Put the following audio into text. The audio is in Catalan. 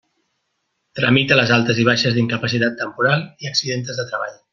Tramita les altes i baixes d'incapacitat temporal i accidentes de treball.